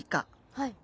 はい。